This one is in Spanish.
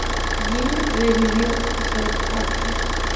Griffin revivió "Jeopardy!